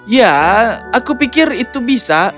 ya aku pikir itu bisa